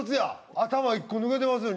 頭１個抜けてますよ。